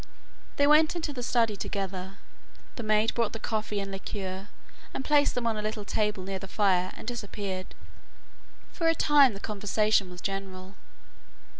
They went into the study together; the maid brought the coffee and liqueur, and placed them on a little table near the fire and disappeared. For a time the conversation was general.